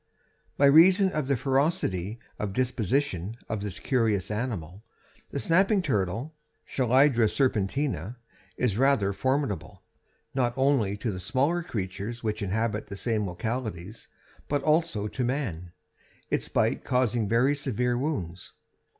By reason of the ferocity of disposition of this curious animal, the snapping turtle (Chelydra serpentina) is rather formidable, not only to the smaller creatures which inhabit the same localities, but also to man, its bite causing very severe wounds.